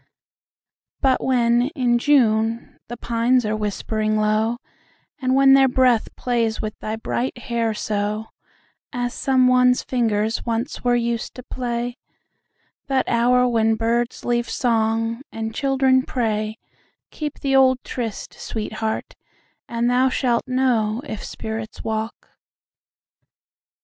But when, in June, the pines are whispering low, And when their breath plays with thy bright hair soAs some one's fingers once were used to play—That hour when birds leave song, and children pray, Keep the old tryst, sweetheart, and thou shalt knowIf spirits walk.